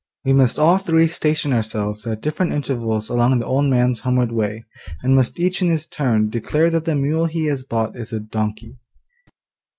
'We must all three station ourselves at different intervals along the old man's homeward way, and must each in his turn declare that the mule he has bought is a donkey.